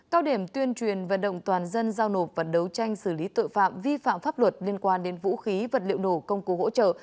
cao điểm tuyên truyền vận động toàn dân giao nộp và đấu tranh xử lý tội phạm vi phạm pháp luật liên quan đến vũ khí vật liệu nổ công cụ hỗ trợ